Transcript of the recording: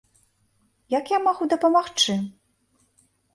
Як я магу дапамагчы?